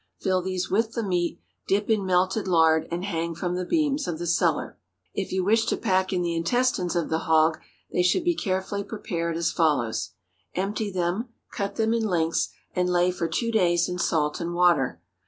Fill these with the meat, dip in melted lard, and hang from the beams of the cellar. If you wish to pack in the intestines of the hog, they should be carefully prepared as follows: Empty them, cut them in lengths, and lay for two days in salt and water.